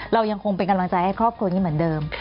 เรายังคงเป็นกำลังใจให้ครอบครัวนี้เหมือนเดิม